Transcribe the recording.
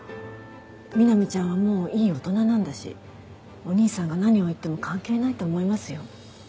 みなみちゃんはもういい大人なんだしお兄さんが何を言っても関係ないと思いますよ。